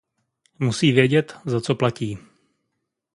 Musí vědět, za co platí.